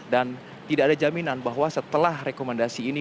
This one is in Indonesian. dan tidak ada jaminan bahwa setelah rekomendasi ini